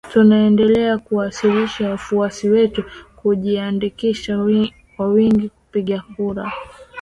Tunaendelea kuwasihi wafuasi wetu kujiandikisha kwa wingi kupiga kura